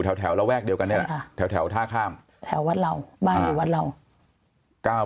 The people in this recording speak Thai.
แถวและแวกเดียวกันเนี่ยแถวท่าข้ามแถววัดราวบ้านหรือวัดราว